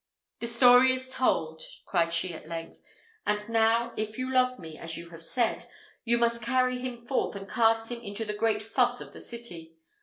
"The story is told," cried she at length; "and now, if you love me, as you have said, you must carry him forth, and cast him into the great fosse of the city.